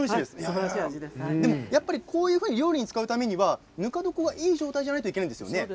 こういうふうに料理に使うためにはぬか床がいい状態じゃないとだめですよね。